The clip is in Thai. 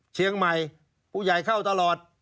เชียงใหม่ผู้ใหญ่เข้าตลอด